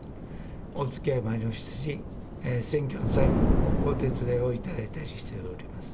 おつきあいもありましたし、選挙の際もお手伝いをいただいたりしております。